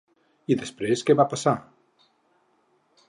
I després què va passar?